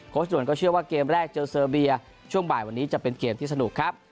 ด่วนก็เชื่อว่าเกมแรกเจอเซอร์เบียช่วงบ่ายวันนี้จะเป็นเกมที่สนุกครับ